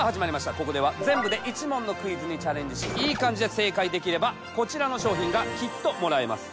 ここでは全部で１問のクイズにチャレンジしイイ感じで正解できればこちらの商品がきっともらえます。